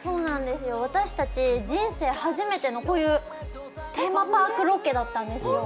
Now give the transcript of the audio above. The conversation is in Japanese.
私たち、人生初めてのテーマパークロケだったんですよ。